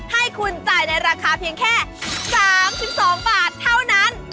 ให้คุณจ่ายในราคาเพียงแค่๓๒บาทเท่านั้น